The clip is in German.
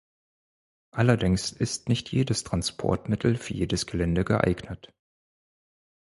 Allerdings ist nicht jedes Transportmittel für jedes Gelände geeignet.